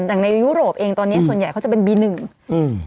ในยุโรปเองตอนเนี้ยส่วนใหญ่เขาจะเป็นบีหนึ่งอืม